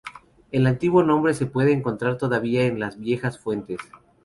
El antiguo nombre se puede encontrar todavía en las más viejas fuentes.